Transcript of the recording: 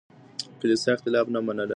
کليسا اختلاف نه منله.